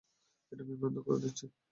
এটা বিভ্রান্ত করে দিচ্ছে।